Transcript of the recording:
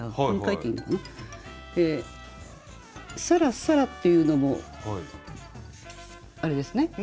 「さらさら」っていうのもあれですね